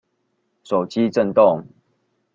手機震動